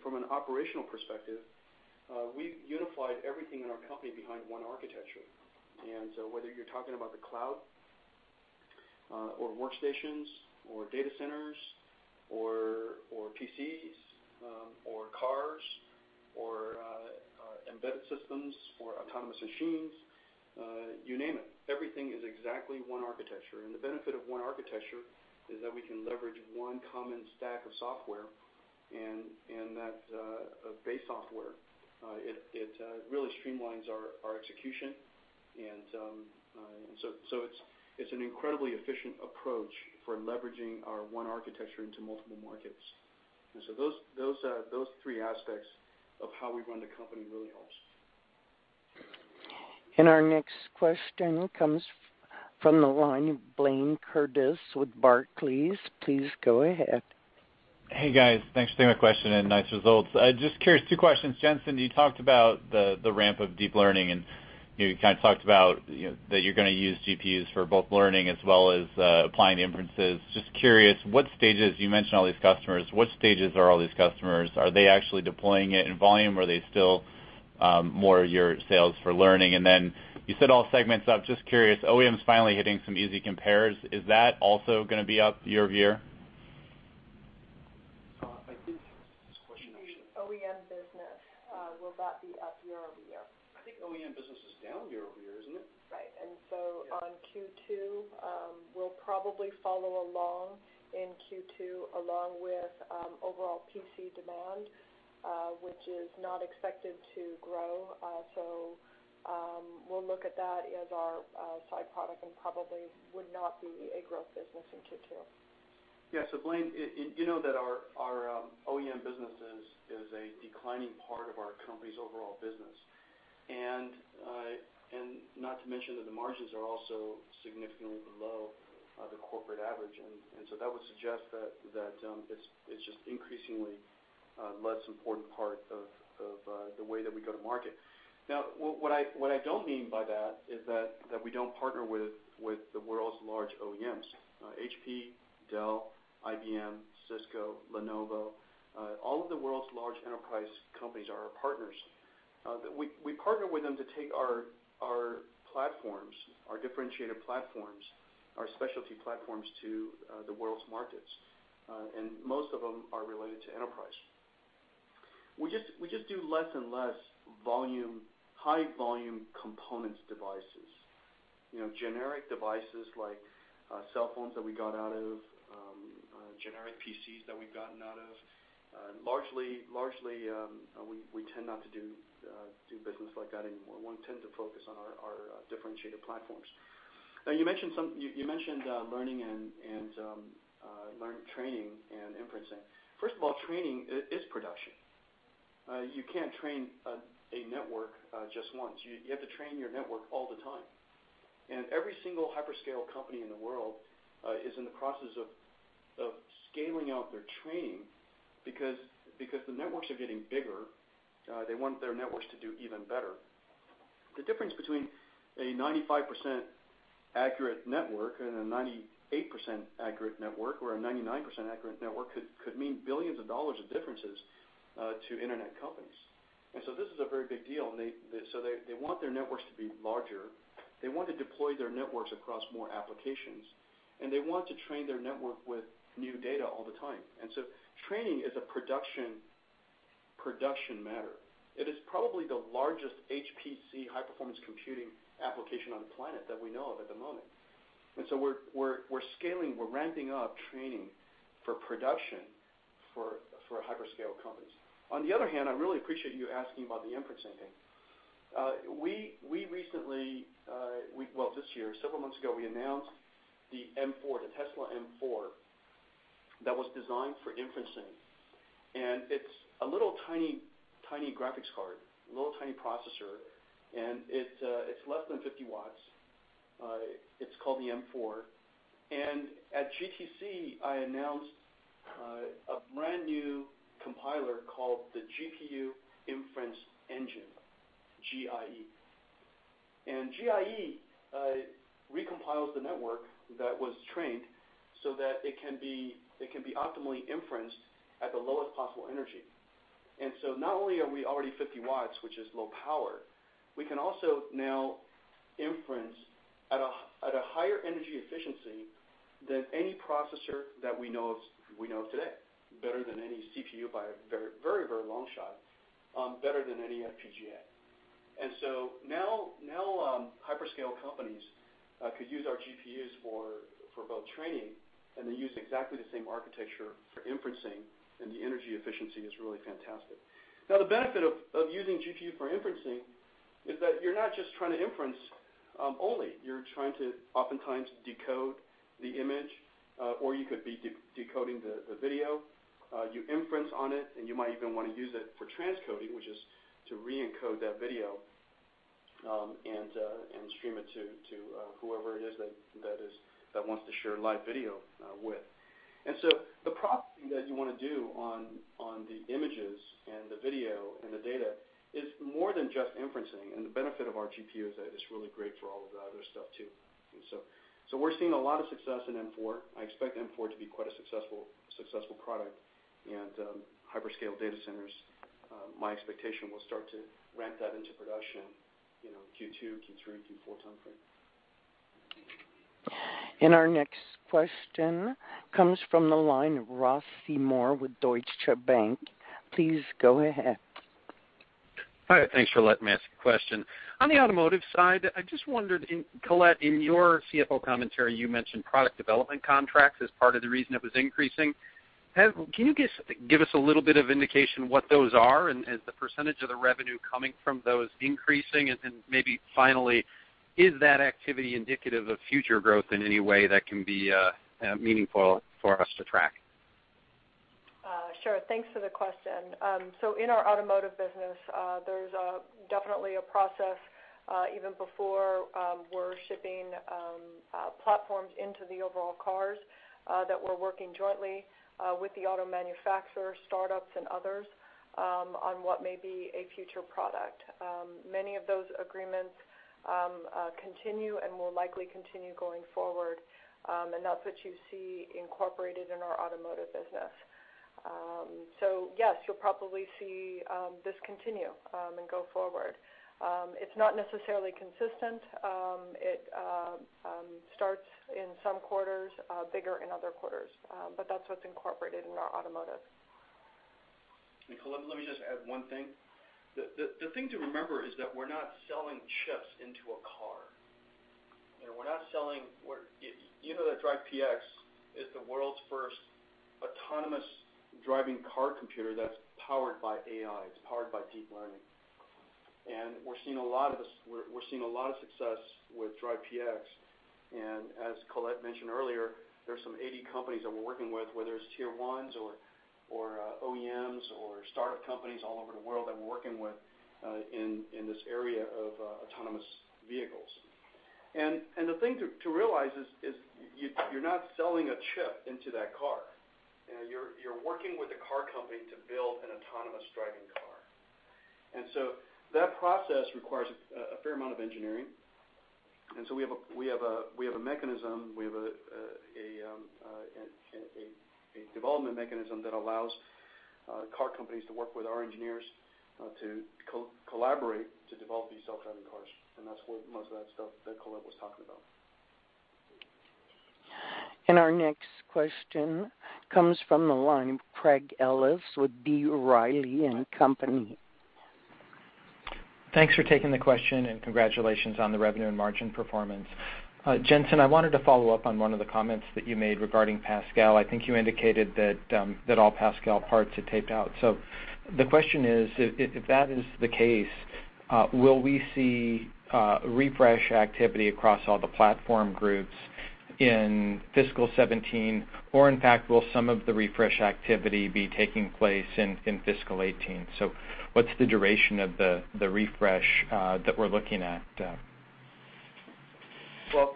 from an operational perspective, we've unified everything in our company behind one architecture. Whether you're talking about the cloud or workstations or data centers or PCs or cars or embedded systems or autonomous machines, you name it, everything is exactly one architecture. The benefit of one architecture is that we can leverage one common stack of software and that base software it really streamlines our execution. It's an incredibly efficient approach for leveraging our one architecture into multiple markets. Those three aspects of how we run the company really helps. Our next question comes from the line, Blayne Curtis with Barclays. Please go ahead. Hey, guys. Thanks for taking my question and nice results. Just curious, two questions. Jensen, you talked about the ramp of deep learning, and you talked about that you're going to use GPUs for both learning as well as applying inferences. Just curious, you mentioned all these customers, which stages are all these customers? Are they actually deploying it in volume, or are they still more your sales for learning? You said all segments up, just curious, OEMs finally hitting some easy compares. Is that also going to be up year-over-year? I think this question actually The OEM business, will that be up year-over-year? I think OEM business is down year-over-year, isn't it? Right. On Q2, we'll probably follow along in Q2, along with overall PC demand, which is not expected to grow. We'll look at that as our side product and probably would not be a growth business in Q2. Yeah. Blayne, you know that our OEM business is a declining part of our company's overall business. Not to mention that the margins are also significantly below the corporate average. That would suggest that it's just increasingly a less important part of the way that we go to market. Now, what I don't mean by that is that we don't partner with the world's large OEMs, HP, Dell, IBM, Cisco, Lenovo, all of the world's large enterprise companies are our partners. We partner with them to take our platforms, our differentiated platforms, our specialty platforms to the world's markets. Most of them are related to enterprise. We just do less and less high volume components devices. Generic devices like cell phones that we got out of, generic PCs that we've gotten out of. Largely, we tend not to do business like that anymore. We tend to focus on our differentiated platforms. Now you mentioned learning and training and inferencing. First of all, training is production. You can't train a network just once. You have to train your network all the time. Every single hyperscale company in the world is in the process of scaling out their training because the networks are getting bigger. They want their networks to do even better. The difference between a 95% accurate network and a 98% accurate network, or a 99% accurate network, could mean billions of dollars of differences to internet companies. This is a very big deal, and so they want their networks to be larger. They want to deploy their networks across more applications, and they want to train their network with new data all the time. Training is a production matter. It is probably the largest HPC, high-performance computing application on the planet that we know of at the moment. We're scaling, we're ramping up training for production for hyperscale companies. On the other hand, I really appreciate you asking about the inferencing thing. We recently, well, this year, several months ago, we announced the M4, the Tesla M4 that was designed for inferencing. It's a little tiny graphics card, a little tiny processor, and it's less than 50 watts. It's called the M4. At GTC, I announced a brand-new compiler called the GPU Inference Engine, GIE. GIE recompiles the network that was trained so that it can be optimally inferenced at the lowest possible energy. Not only are we already 50 watts, which is low power, we can also now inference at a higher energy efficiency than any processor that we know of today, better than any CPU by a very long shot, better than any FPGA. Now hyperscale companies could use our GPUs for both training, and they use exactly the same architecture for inferencing, and the energy efficiency is really fantastic. Now, the benefit of using GPU for inferencing is that you're not just trying to inference only, you're trying to oftentimes decode the image. You could be decoding the video, you inference on it, and you might even want to use it for transcoding, which is to re-encode that video, and stream it to whoever it is that wants to share a live video with. The processing that you want to do on the images and the video and the data is more than just inferencing. The benefit of our GPU is that it's really great for all of the other stuff too. We're seeing a lot of success in M4. I expect M4 to be quite a successful product in hyperscale data centers. My expectation will start to ramp that into production Q2, Q3, Q4 timeframe. Our next question comes from the line of Ross Seymore with Deutsche Bank. Please go ahead. Hi, thanks for letting me ask a question. On the automotive side, I just wondered, Colette, in your CFO commentary, you mentioned product development contracts as part of the reason it was increasing. Can you give us a little bit of indication what those are and is the percentage of the revenue coming from those increasing? Maybe finally, is that activity indicative of future growth in any way that can be meaningful for us to track? Sure. Thanks for the question. In our automotive business, there's definitely a process even before we're shipping platforms into the overall cars that we're working jointly with the auto manufacturers, startups, and others on what may be a future product. Many of those agreements continue and will likely continue going forward. That's what you see incorporated in our automotive business. Yes, you'll probably see this continue and go forward. It's not necessarily consistent. It starts in some quarters, bigger in other quarters, that's what's incorporated in our automotive. Colette, let me just add one thing. The thing to remember is that we're not selling chips into a car. You know that DRIVE PX is the world's first autonomous driving car computer that's powered by AI. It's powered by deep learning. We're seeing a lot of success with DRIVE PX. As Colette mentioned earlier, there are some 80 companies that we're working with, whether it's tier ones or OEMs or startup companies all over the world that we're working with in this area of autonomous vehicles. The thing to realize is you're not selling a chip into that car. You're working with a car company to build an autonomous driving car. That process requires a fair amount of engineering. We have a development mechanism that allows car companies to work with our engineers to collaborate to develop these self-driving cars. That's what most of that stuff that Colette was talking about. Our next question comes from the line of Craig Ellis with B. Riley & Company. Thanks for taking the question and congratulations on the revenue and margin performance. Jensen, I wanted to follow up on one of the comments that you made regarding Pascal. I think you indicated that all Pascal parts had taped out. The question is, if that is the case, will we see refresh activity across all the platform groups in fiscal 2017? In fact, will some of the refresh activity be taking place in fiscal 2018? What's the duration of the refresh that we're looking at?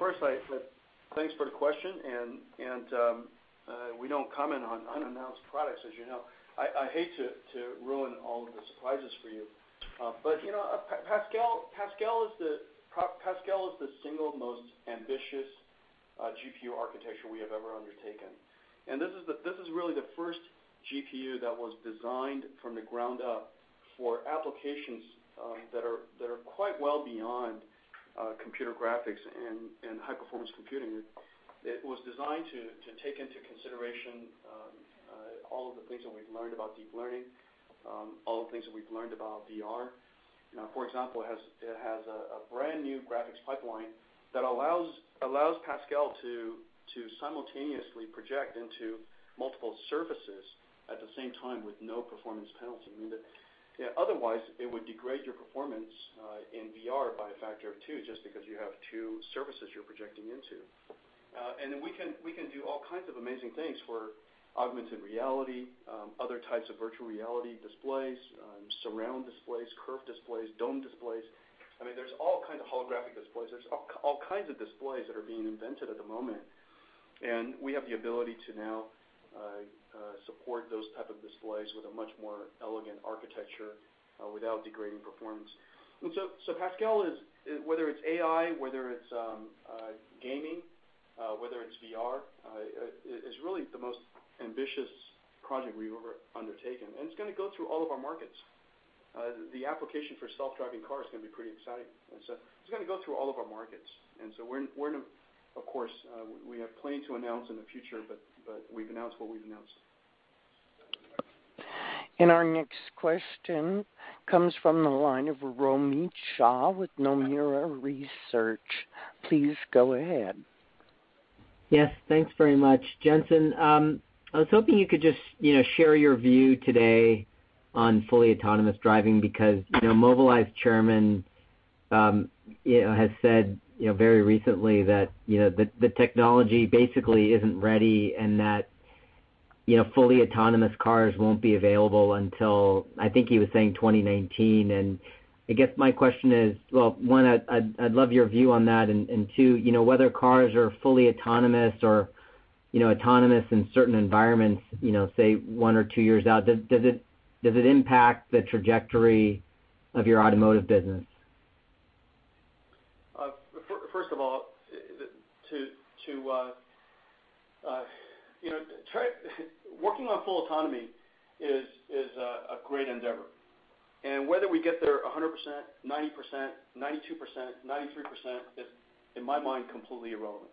First, thanks for the question, we don't comment on unannounced products, as you know. I hate to ruin all of the surprises for you. Pascal is the single most ambitious GPU architecture we have ever undertaken, this is really the first GPU that was designed from the ground up for applications that are quite well beyond computer graphics and high-performance computing. It was designed to take into consideration all of the things that we've learned about deep learning, all the things that we've learned about VR. For example, it has a brand-new graphics pipeline that allows Pascal to simultaneously project into multiple surfaces at the same time with no performance penalty. Otherwise, it would degrade your performance in VR by a factor of two just because you have two surfaces you're projecting into. We can do all kinds of amazing things for augmented reality, other types of virtual reality displays, surround displays, curved displays, dome displays. There's all kinds of holographic displays. There's all kinds of displays that are being invented at the moment, we have the ability to now support those type of displays with a much more elegant architecture without degrading performance. Pascal is, whether it's AI, whether it's gaming, whether it's VR, is really the most ambitious project we've ever undertaken, it's going to go through all of our markets. The application for self-driving cars is going to be pretty exciting. It's going to go through all of our markets. Of course, we have plenty to announce in the future, we've announced what we've announced. Our next question comes from the line of Romit Shah with Nomura Research. Please go ahead. Yes, thanks very much. Jensen, I was hoping you could just share your view today on fully autonomous driving because Mobileye's chairman has said very recently that the technology basically isn't ready and that fully autonomous cars won't be available until, I think he was saying 2019. I guess my question is, well, one, I'd love your view on that, and two, whether cars are fully autonomous or autonomous in certain environments, say one or two years out, does it impact the trajectory of your automotive business? First of all, working on full autonomy is a great endeavor, and whether we get there 100%, 90%, 92%, 93% is, in my mind, completely irrelevant.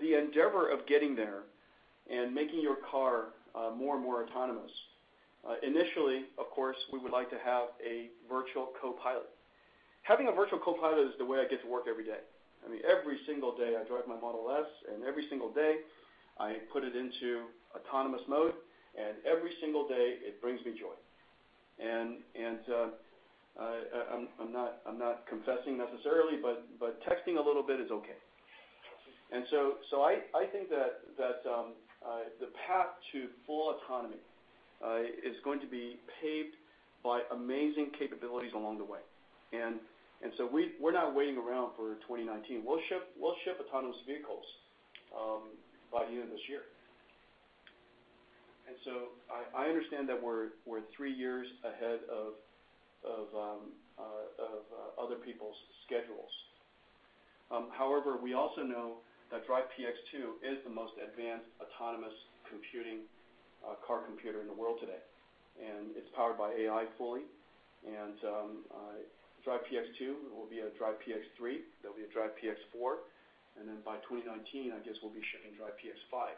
The endeavor of getting there and making your car more and more autonomous. Initially, of course, we would like to have a virtual co-pilot. Having a virtual co-pilot is the way I get to work every day. Every single day I drive my Model S, and every single day I put it into autonomous mode, and every single day it brings me joy. I'm not confessing necessarily, but texting a little bit is okay. I think that the path to full autonomy is going to be paved by amazing capabilities along the way. We're not waiting around for 2019. We'll ship autonomous vehicles by the end of this year. I understand that we're three years ahead of other people's schedules. However, we also know that DRIVE PX 2 is the most advanced autonomous computing car computer in the world today, and it's powered by AI fully. DRIVE PX 2, there will be a DRIVE PX 3, there'll be a DRIVE PX 4, then by 2019, I guess we'll be shipping DRIVE PX 5.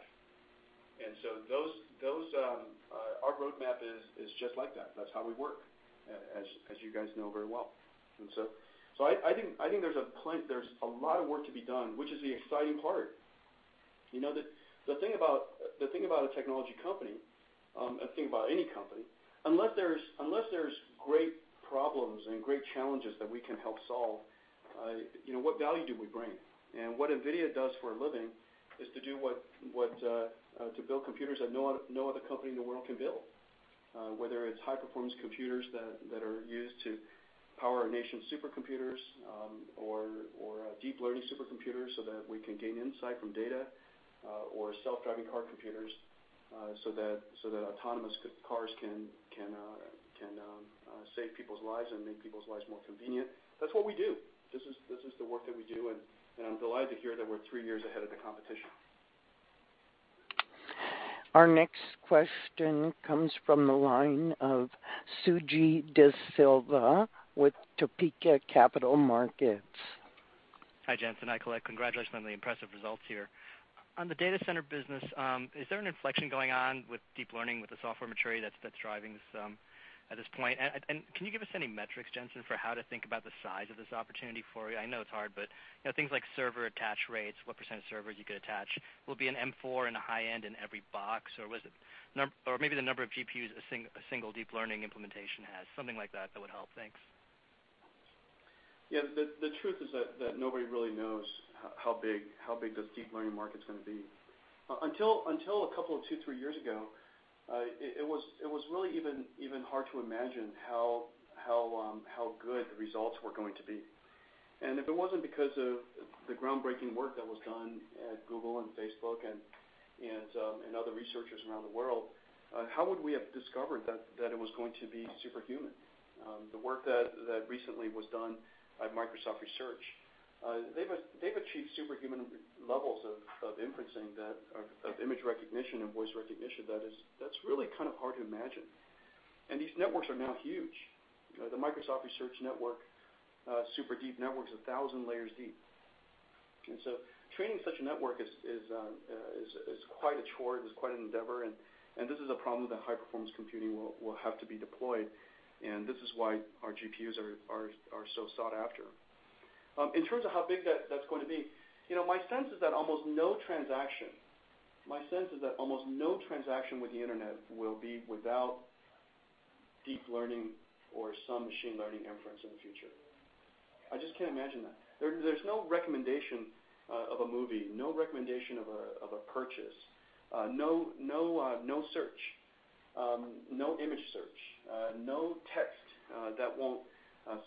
Our roadmap is just like that. That's how we work as you guys know very well. I think there's a lot of work to be done, which is the exciting part. The thing about a technology company, a thing about any company, unless there's great problems and great challenges that we can help solve, what value do we bring? What NVIDIA does for a living is to build computers that no other company in the world can build. Whether it's high-performance computers that are used to power a nation's supercomputers or deep learning supercomputers so that we can gain insight from data, or self-driving car computers, so that autonomous cars can save people's lives and make people's lives more convenient. That's what we do. This is the work that we do, and I'm delighted to hear that we're three years ahead of the competition. Our next question comes from the line of Suji DeSilva with Topeka Capital Markets. Hi, Jensen. Hi, Colette. Congratulations on the impressive results here. On the data center business, is there an inflection going on with deep learning with the software maturity that's driving this at this point? Can you give us any metrics, Jensen, for how to think about the size of this opportunity for you? I know it's hard, but things like server attach rates, what % of servers you could attach. Will be an M4 in the high end in every box, or maybe the number of GPUs a single deep learning implementation has, something like that would help. Thanks. Yeah. The truth is that nobody really knows how big this deep learning market's going to be. Until a couple of two, three years ago, it was really even hard to imagine how good the results were going to be. If it wasn't because of the groundbreaking work that was done at Google and Facebook and other researchers around the world, how would we have discovered that it was going to be superhuman? The work that recently was done at Microsoft Research, they've achieved superhuman levels of inferencing, of image recognition and voice recognition that's really kind of hard to imagine. These networks are now huge. The Microsoft Research network, super deep network, is 1,000 layers deep. Training such a network is quite a chore, it is quite an endeavor, this is a problem that high-performance computing will have to be deployed, this is why our GPUs are so sought after. In terms of how big that's going to be, my sense is that almost no transaction with the internet will be without deep learning or some machine learning inference in the future. I just can't imagine that. There's no recommendation of a movie, no recommendation of a purchase, no search, no image search, no text that won't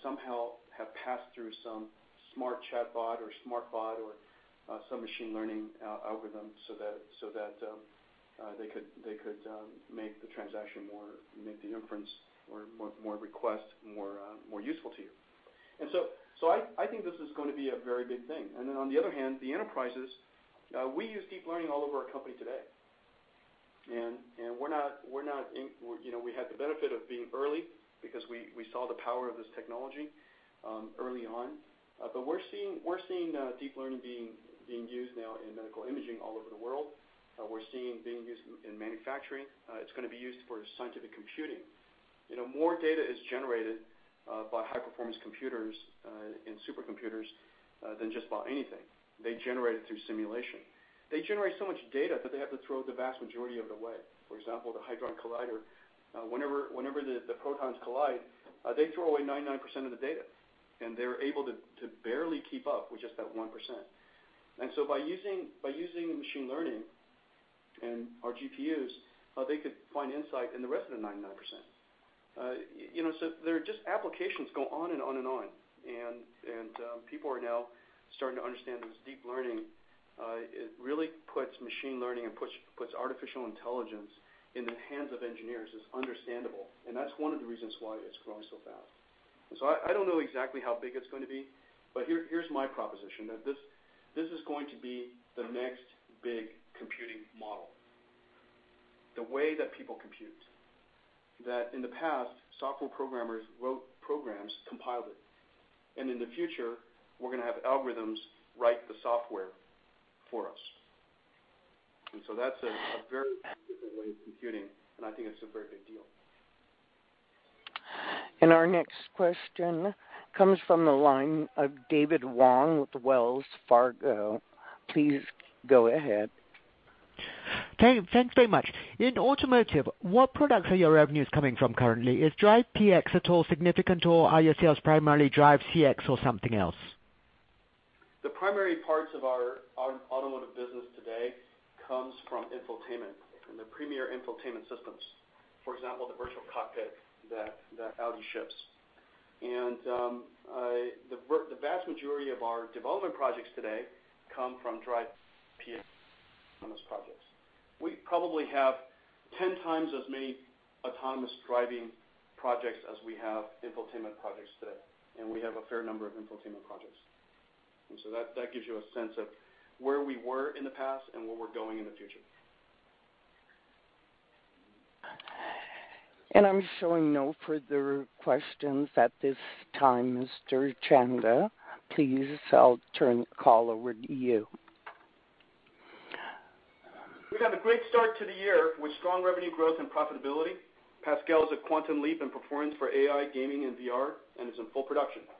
somehow have passed through some smart chatbot or smart bot or some machine learning algorithm so that they could make the transaction more, make the inference or request more useful to you. I think this is going to be a very big thing. On the other hand, the enterprises, we use deep learning all over our company today. We had the benefit of being early because we saw the power of this technology early on. We're seeing deep learning being used now in medical imaging all over the world. We're seeing it being used in manufacturing. It's going to be used for scientific computing. More data is generated by high-performance computers and supercomputers than just about anything. They generate it through simulation. They generate so much data that they have to throw the vast majority of it away. For example, the Hadron Collider, whenever the protons collide, they throw away 99% of the data, they're able to barely keep up with just that 1%. By using machine learning and our GPUs, they could find insight in the rest of the 99%. There are just applications go on and on, people are now starting to understand this deep learning. It really puts machine learning and puts artificial intelligence in the hands of engineers, it's understandable. That's one of the reasons why it's growing so fast. I don't know exactly how big it's going to be, but here's my proposition, that this is going to be the next big computing model. The way that people compute. That in the past, software programmers wrote programs, compiled it, in the future, we're going to have algorithms write the software for us. That's a very different way of computing, I think it's a very big deal. Our next question comes from the line of David Wong with Wells Fargo. Please go ahead. Thanks very much. In automotive, what products are your revenues coming from currently? Is DRIVE PX at all significant, or are your sales primarily NVIDIA DRIVE CX or something else? The primary parts of our automotive business today comes from infotainment and the premier infotainment systems. For example, the virtual cockpit that Audi ships. The vast majority of our development projects today come from DRIVE PX on those projects. We probably have 10 times as many autonomous driving projects as we have infotainment projects today, and we have a fair number of infotainment projects. That gives you a sense of where we were in the past and where we're going in the future. I'm showing no further questions at this time, Mr. Chanda. Please, I'll turn the call over to you. We've had a great start to the year with strong revenue growth and profitability. Pascal is a quantum leap in performance for AI, gaming, and VR and is in full production now.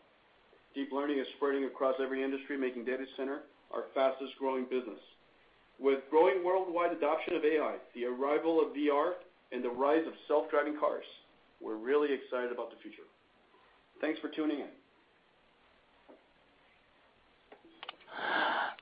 Deep learning is spreading across every industry, making data center our fastest-growing business. With growing worldwide adoption of AI, the arrival of VR, and the rise of self-driving cars, we're really excited about the future. Thanks for tuning in.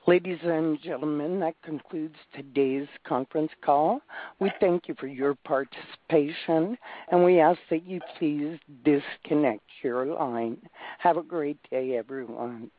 Ladies and gentlemen, that concludes today's conference call. We thank you for your participation, and we ask that you please disconnect your line. Have a great day, everyone.